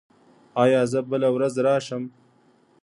ایا زه بله ورځ راشم؟